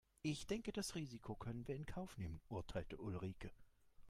"Ich denke das Risiko können wir in Kauf nehmen", urteilte Ulrike.